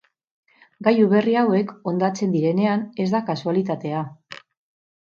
Gailu berri hauek hondatzen direnean, ez da kasualitatea.